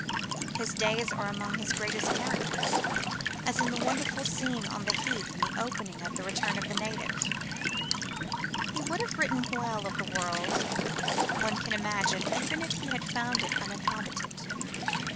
His days are among his greatest characters, as in the wonderful scene on the heath in the opening of The Return of the Native. He would have written well of the world, one can imagine, even if he had found it uninhabited.